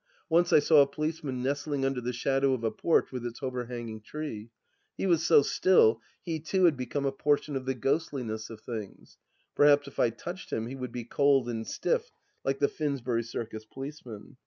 Once I saw a policeman nestling under the shadow of a porch with its overhanging tree. He was so still, he too had become a portion of the ghostliness of things. Perhaps if I touched him he would be cold and stiff like the Finsbury Circus policeman.